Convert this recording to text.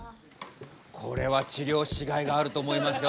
これは治りょうしがいがあると思いますよ